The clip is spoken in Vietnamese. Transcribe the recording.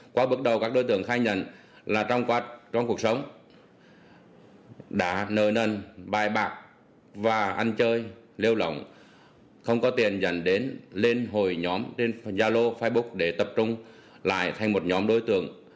qua bước đầu các đối tượng khai nhận là trong cuộc sống đã nợ nần bài bạc và ăn chơi lêu lỏng không có tiền dẫn đến lên hồi nhóm trên gia lô facebook để tập trung lại thành một nhóm đối tượng